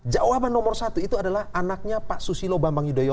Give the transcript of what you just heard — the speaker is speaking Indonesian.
jawaban nomor satu itu adalah anaknya pak susilo bambang yudhoyono